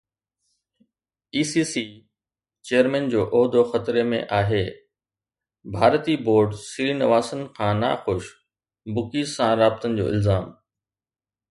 اي C C chairman جو عهدو خطري ۾ آهي، ڀارتي بورڊ سري نواسن کان ناخوش، بکيز سان رابطن جو الزام